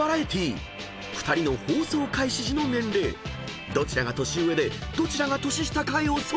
［２人の放送開始時の年齢どちらが年上でどちらが年下か予想］